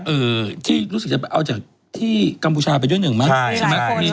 เรียกว่าเป็นข่าวช็อกโลกเหมือนกันนะ